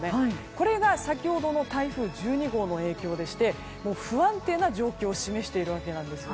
これが先ほどの台風１２号の影響でして不安定な状況を示しているわけなんですよ。